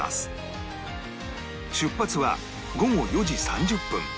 出発は午後４時３０分